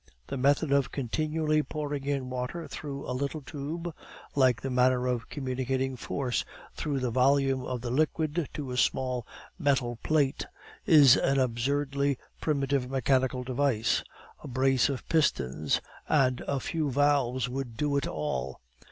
The method of continually pouring in water through a little tube, like the manner of communicating force through the volume of the liquid to a small metal plate, is an absurdly primitive mechanical device. A brace of pistons and a few valves would do it all.